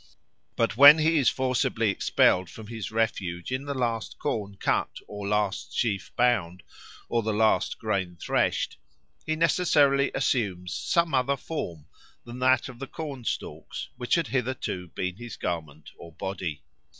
But when he is forcibly expelled from his refuge in the last corn cut or the last sheaf bound or the last grain threshed, he necessarily assumes some other form than that of the corn stalks, which had hitherto been his garment or body.